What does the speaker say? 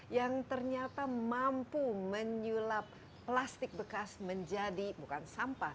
yang ternyata mampu menyulap plastik bekas menjadi bukan sampah